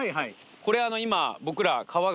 これ今僕ら川が。